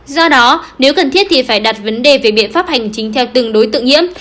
do đó nếu cần thiết thì phải đặt vấn đề về biện pháp hành chính theo từng đối tượng nhiễm